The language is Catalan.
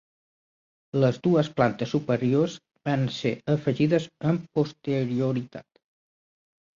Les dues plantes superiors van ser afegides amb posterioritat.